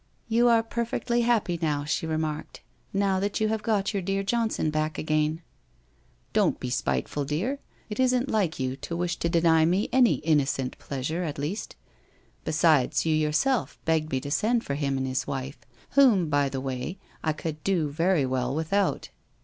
' You are perfectly happy, now/ she remarked. * Now that you have got your dear Johnson back again.' WHITE ROSE OF WEARY LEAF 343 'Don't be spiteful, my dear. It isn't like you to wish to deny me any innocent pleasure, at least. Besides, you yourself begged me to send for him and his wife, whom, by the way, I could do very well without.'